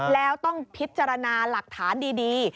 แล้วต้องพิจารณาหลักฐานดี